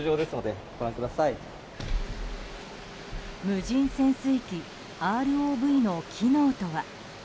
無人潜水機・ＲＯＶの機能とは。